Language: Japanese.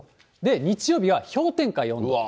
日曜日は氷点下４度。